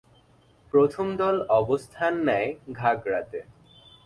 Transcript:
প্রথম দল অবস্থান নেয় ঘাগড়াতে।